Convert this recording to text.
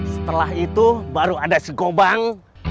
setelah itu baru ada si gobang